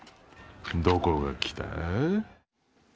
どこが来た？